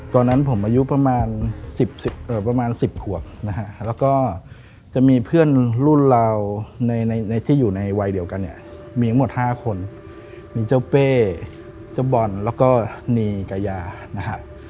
ตอนนั้นผมอายุประมาณ๑๐ขวบนะฮะแล้วก็จะมีเพื่อนรุ่นเราในที่อยู่ในวัยเดียวกันเนี่ยมีทั้งหมด๕คนมีเจ้าเป้เจ้าบอลแล้วก็นีกายานะฮะ